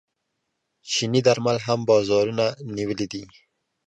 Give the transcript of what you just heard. چیني درمل هم بازارونه نیولي دي.